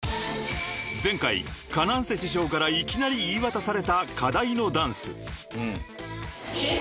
［前回ＫａｎａｎｃＥ師匠からいきなり言い渡された課題のダンス］